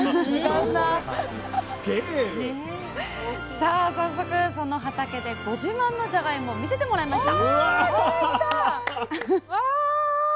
さあ早速その畑でご自慢のじゃがいもを見せてもらいました！